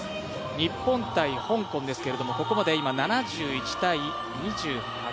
日本×香港ですけども、今ここまで７１−２８。